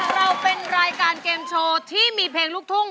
ร้องได้ให้ร้าน